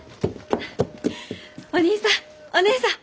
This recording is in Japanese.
お義兄さんお義姉さん